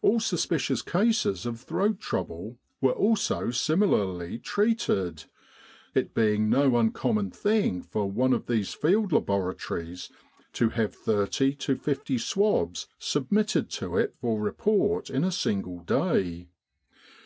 All suspicious cases of throat trouble were also similarly treated, it being no uncom mon thing for one of these Field Laboratories to have 30 to 50 swabs submitted to it for report in a single day.